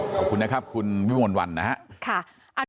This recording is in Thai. ขอบคุณนะครับคุณวิมวลวันนะครับ